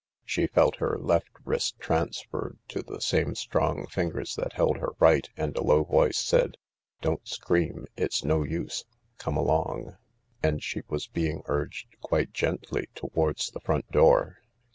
She felt her left wrist transferred to the same strong fingers that held her right, and a low voice said :" Don't scream — it's no use. Come along," and she was being urged, quite gently, towards the front door.